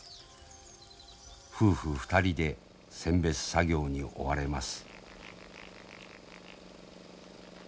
夫婦２人で選別作業に追われます。